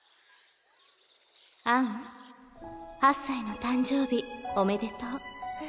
８歳の誕生日おめでとう」